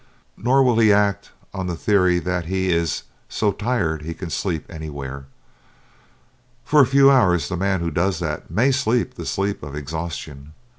Nor will he act on the theory that he is "so tired he can sleep anywhere." For a few hours the man who does that may sleep the sleep of exhaustion.